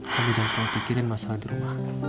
tapi jangan terpikirin masalah di rumah